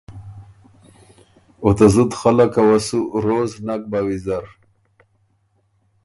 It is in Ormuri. او ته زُت خلقه وه سُو روز نک بَۀ وېزر،